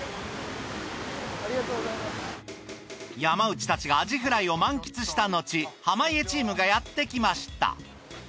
山内たちがアジフライを満喫したのち濱家チームがやってきました。